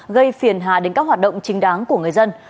gây phiền hà đến các hoạt động chính đáng của người dân